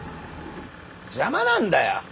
邪魔なんだよ！